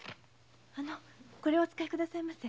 これをお使いくださいませ。